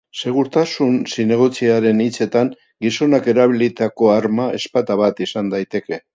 Segurtasun zinegotziaren hitzetan, gizonak erabilitako arma ezpata bat izan daiteke.